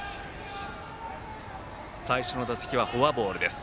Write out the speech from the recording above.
最初の打席はフォアボールです。